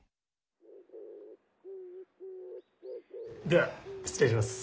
では失礼します。